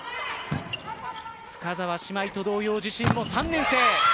深澤姉妹と同様、自身も３年生。